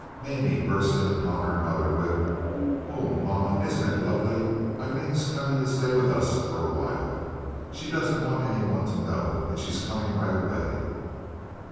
Mamie burst in upon her mother with: "Oh, mama, isn't it lovely? Aileen's coming to stay with us for a while. She doesn't want any one to know, and she's coming right away."